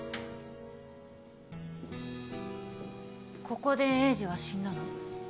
ここで栄治は死んだの？